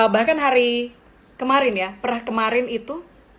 bahkan hari kemarin ya pernah kemarin itu